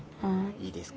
いいですか？